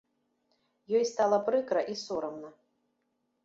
Ёй стала прыкра і сорамна.